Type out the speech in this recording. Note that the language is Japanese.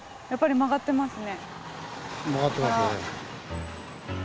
曲がってますね。